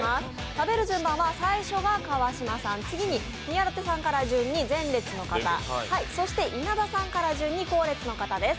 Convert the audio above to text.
食べる順番は川島さん、宮舘さんから順番に前列の方、そして稲田さんから順に後列の方です。